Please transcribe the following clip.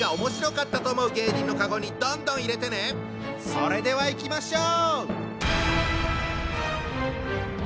それではいきましょう！